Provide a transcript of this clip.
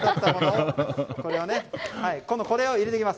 今度は、これを入れていきます。